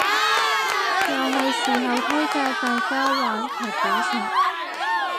又係時候推介大家玩劇本殺